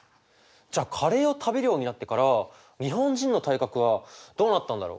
じゃあカレーを食べるようになってから日本人の体格はどうなったんだろう？